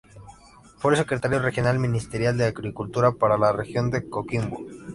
Fue el Secretario Regional Ministerial de Agricultura para la Región de Coquimbo.